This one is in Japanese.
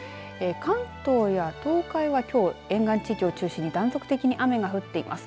関東や東海は、きょう沿岸地域を中心に断続的に雨が降っています。